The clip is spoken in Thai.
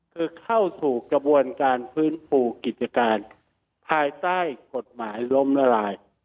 คือเข้าสู่กระบวนการฟื้นฟูกิจการภายใต้กฎหมายล้มละลาย